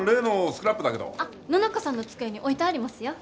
あっ野中さんの机に置いてありますよ。